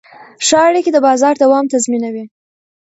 ښه اړیکې د بازار دوام تضمینوي.